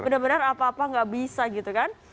benar benar apa apa nggak bisa gitu kan